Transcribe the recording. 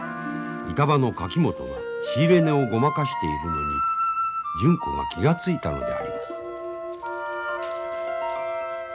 板場の垣本が仕入れ値をごまかしているのに純子が気が付いたのであります。